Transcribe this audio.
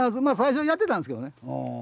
まあ最初はやってたんですけどね。